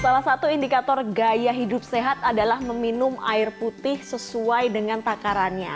salah satu indikator gaya hidup sehat adalah meminum air putih sesuai dengan takarannya